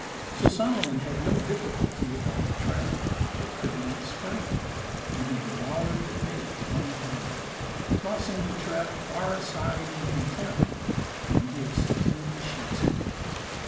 So Solomon had no difficulty about the trap; it could not spring, and he devoured the bait unharmed, tossing the trap far aside in contempt when he had secured the sheep's head.